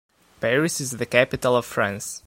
Paris is the capital of France.